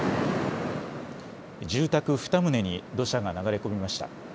住宅２棟に土砂が流れ込みました。